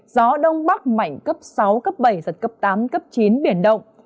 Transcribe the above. gió đông bắc mạnh cấp sáu cấp bảy giật cấp tám cấp chín biển động